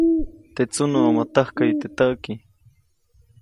Teʼ tsunuʼomo täjkäyu teʼ täʼki.